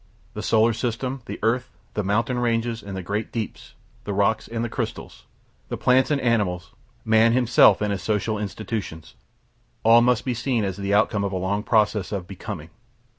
The solar system, the earth, the mountain ranges, and the great deeps, the rocks and crystals, the plants and animals, man himself and his social institutions all must be seen as the outcome of a long process of Becoming.